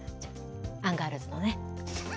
アンガールズのね。